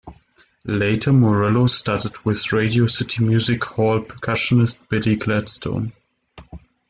Later, Morello studied with Radio City Music Hall percussionist Billy Gladstone.